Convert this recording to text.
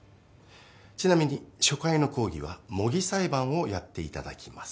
ちなみに初回の講義は模擬裁判をやっていただきます。